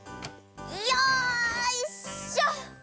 よいしょっ！